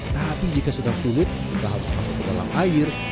tapi jika sedang sulut kita harus masuk ke dalam air